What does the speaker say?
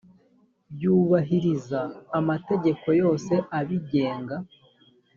byubahiriza amategeko yose abigenga